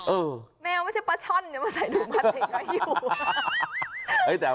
เออแมวไม่ใช่ป๊าช่อนเดี๋ยวมาใส่ถุงมาใส่อยู่